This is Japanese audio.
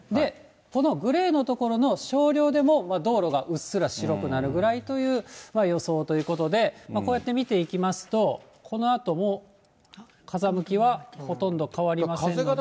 このグレーの所の少量でも、道路がうっすら白くなるぐらいという予想ということで、こうやって見ていきますと、このあとも風向きはほとんど変わりませんので。